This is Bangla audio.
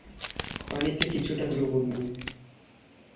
পানিতে কিছুটা দ্রবণীয়।